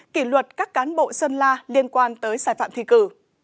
kỷ luật các cán bộ sơn la liên quan tới sai phạm thi cử